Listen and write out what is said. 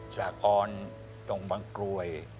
สระออนตรงบางกรวย